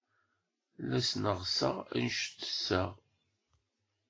La sneɣseɣ anect tesseɣ.